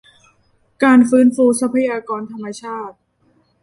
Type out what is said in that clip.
การฟื้นฟูทรัพยากรธรรมชาติ